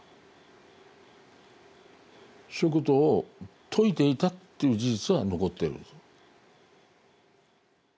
そういうことを説いていたっていう事実は残っています。